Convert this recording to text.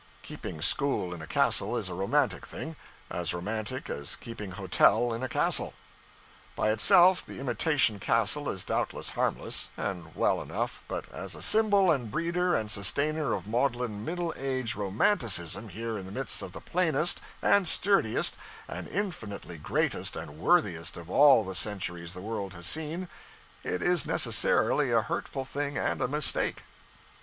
Keeping school in a castle is a romantic thing; as romantic as keeping hotel in a castle. By itself the imitation castle is doubtless harmless, and well enough; but as a symbol and breeder and sustainer of maudlin Middle Age romanticism here in the midst of the plainest and sturdiest and infinitely greatest and worthiest of all the centuries the world has seen, it is necessarily a hurtful thing and a mistake.